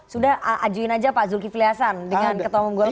sudah ajuin aja pak zulkifli hasan dengan ketemu golkar